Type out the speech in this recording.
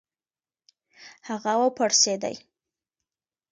هغه و پړسېډی .